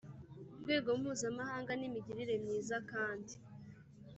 rwego mpuzamahanga n imigirire myiza kandi